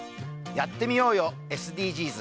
「やってみようよ、ＳＤＧｓ」